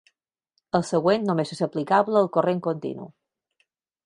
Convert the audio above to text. El següent només és aplicable al corrent continu.